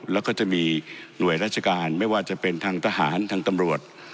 แล้วก็จะมีหน่วยราชการไม่ว่าจะเป็นทางทหารทางตำรวจ